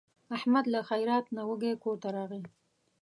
احمد له خیرات نه وږی کورته راغی.